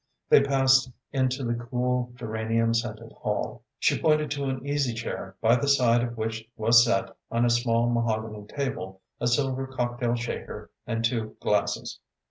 They passed into the cool, geranium scented hall. She pointed to an easy chair by the side of which was set, on a small mahogany table, a silver cocktail shaker and two glasses.